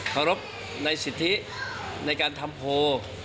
เคารพในสิทธิในการทำโพล